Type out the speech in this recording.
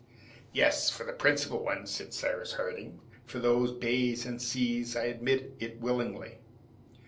"Yes, for the principal ones," then said Cyrus Harding; "for those of the bays and seas, I admit it willingly.